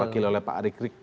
diwakili oleh pak arikrik